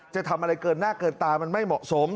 จะทำอะไรเกินหน้าเกินตามันไม่เหมาะสม